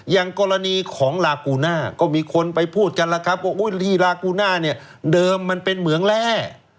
อย่างกรณีของลากูน่าก็มีคนไปพูดกันแล้วครับว่าลีลากูน่าเนี่ยเดิมมันเป็นเหมืองแร่